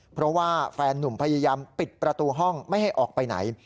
เพราะว่าแฟนนุ่มพยายามปิดประตูห้องไม่ให้ออกไปไหน